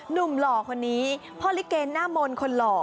หนุ่มหล่อคนนี้พ่อลิเกณฑ์หน้ามนต์คนหล่อ